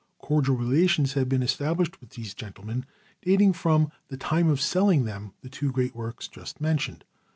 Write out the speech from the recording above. Cordial relations had been established with these gentlemen, dating from the time of selling them the two great works just mentioned.